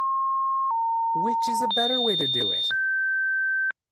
Which is a better way to do it?